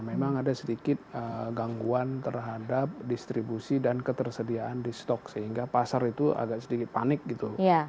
memang ada sedikit gangguan terhadap distribusi dan ketersediaan di stok sehingga pasar itu agak sedikit panik gitu